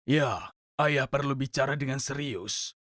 ya ayah perlu bicara dengan serius